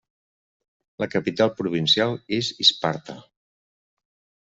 La capital provincial és Isparta.